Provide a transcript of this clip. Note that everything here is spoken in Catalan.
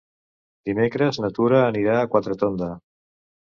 Dimecres na Tura anirà a Quatretonda.